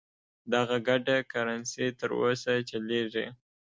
دغه ګډه کرنسي تر اوسه چلیږي.